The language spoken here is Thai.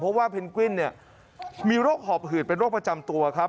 เพราะว่าเพนกวินเนี่ยมีโรคหอบหืดเป็นโรคประจำตัวครับ